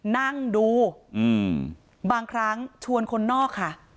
นั่งดูบางครั้งชวนคนนอกค่ะ